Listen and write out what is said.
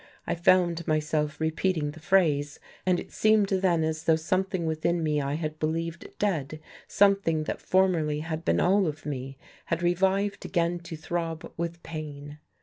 I found myself repeating the phrase; and it seemed then as though something within me I had believed dead something that formerly had been all of me had revived again to throb with pain.